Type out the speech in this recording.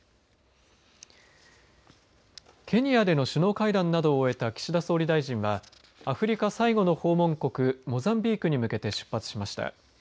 ケニアでの首脳会談などを終えた岸田総理大臣はアフリカ最後の訪問国モザンビークに向けて出発しました。